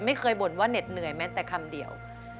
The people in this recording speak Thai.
บ่นว่าเหน็ดเหนื่อยแม้แต่คำเดียว